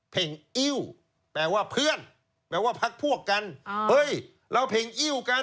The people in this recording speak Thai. อิ้วแปลว่าเพื่อนแปลว่าพักพวกกันเฮ้ยเราเพ่งอิ้วกัน